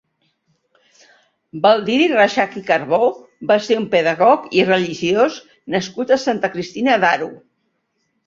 Baldiri Reixac i Carbó va ser un pedagog i religiós nascut a Santa Cristina d'Aro.